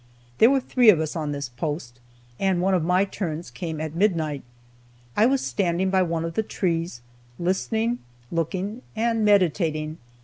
There were three of us on this post, and one of my turns came at midnight. I was standing by one of the trees, listening, looking, and meditating.